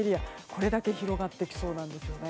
これだけ広がってきそうなんですね。